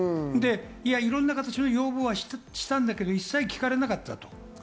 いろんな形の要望はしたけど一切聞かれなかったんだと。